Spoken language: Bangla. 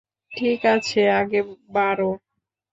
ঠিক আছে, আগে বাড়ো।